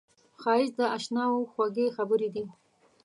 ښایست د اشناوو خوږې خبرې دي